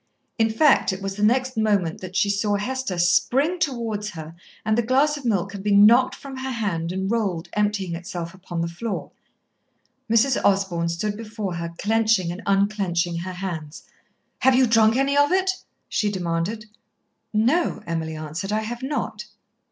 In fact, it was the next moment that she saw Hester spring towards her, and the glass of milk had been knocked from her hand and rolled, emptying itself, upon the floor. Mrs. Osborn stood before her, clenching and unclenching her hands. "Have you drunk any of it?" she demanded. "No," Emily answered. "I have not."